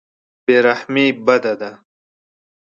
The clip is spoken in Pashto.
بې رحمي بده ده.